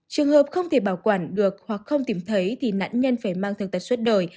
trường hợp không thể bảo quản được hoặc không tìm thấy thì nạn nhân phải mang thương tật suốt đời